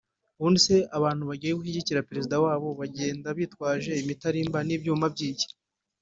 ubundi se abantu bagiye gushyigikira Perezida wabo bagenda bitwaje imitarimba n’ibyuma by’iki